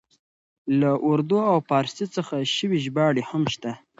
له اردو او پاړسي څخه شوې ژباړې هم شته.